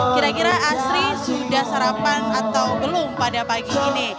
kira kira asri sudah sarapan atau belum pada pagi ini